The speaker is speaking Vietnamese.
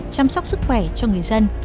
chăm sóc sức khỏe cho người dân